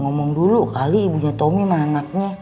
ngomong dulu kali ibunya tommy sama anaknya